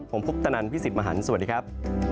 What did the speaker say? ผมคุปตนันพี่สิทธิ์มหันฯสวัสดีครับ